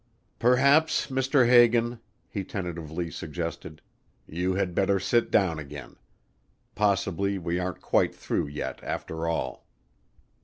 "Perhaps, Mr. Hagan," he tentatively suggested, "you had better sit down again. Possibly we aren't quite through yet after all."